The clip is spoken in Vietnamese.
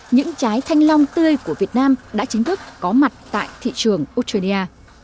những trái thanh long tươi của việt nam đã chính thức có mặt tại thị trường australia